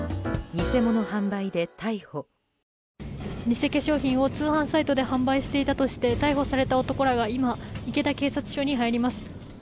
偽化粧品を通販サイトで販売していたとして逮捕された男らが今、池田警察署に入ります。